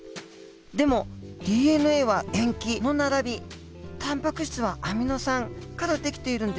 でもＤＮＡは塩基の並びタンパク質はアミノ酸から出来ているんですよね？